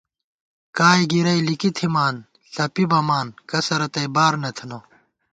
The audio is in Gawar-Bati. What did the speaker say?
کائے گِرَئی لِکی تھِمان ݪَپی بَمان ، کسہ رتئ بار نہ تھنہ